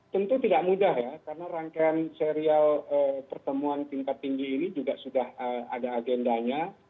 tentu tidak mudah ya karena rangkaian serial pertemuan tingkat tinggi ini juga sudah ada agendanya